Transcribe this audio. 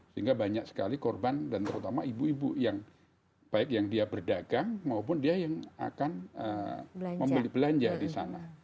sehingga banyak sekali korban dan terutama ibu ibu yang baik yang dia berdagang maupun dia yang akan membeli belanja di sana